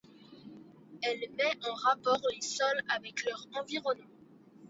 Elle met en rapport les sols avec leur environnement.